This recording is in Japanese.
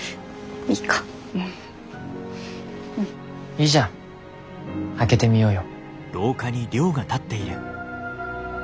いいじゃん開けてみようよ。